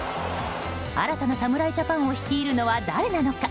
新たな侍ジャパンを率いるのは誰なのか。